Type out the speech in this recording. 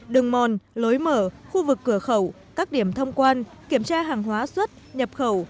đường mòn lối mở khu vực cửa khẩu các điểm thông quan kiểm tra hàng hóa xuất nhập khẩu